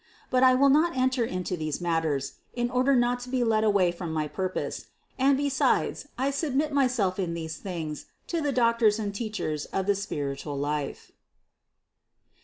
But I will not enter into these matters, in order not to be led away from my pur pose; and besides, I submit myself in these things to the doctors and teachers of the spiritual life.